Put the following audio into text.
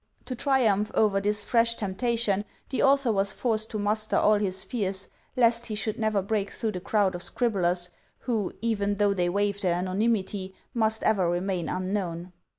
To triumph over this fresh temptation, the author was forced to muster all his fears lest he should never break through the crowd of scribblers who, even though they waive their anonymity, must ever remain unknown.